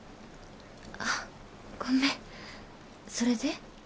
あッごめんそれで？